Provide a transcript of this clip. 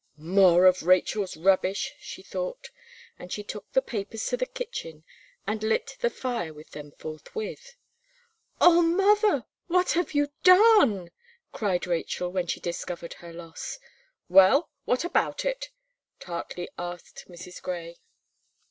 "More of Rachel's rubbish!" she thought, and she took the papers to the kitchen, and lit the fire with them forthwith. "Oh, mother! what have you done!" cried Rachel, when she discovered her loss. "Well, what about it?" tartly asked Mrs. Gray.